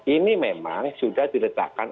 ini memang sudah diletakkan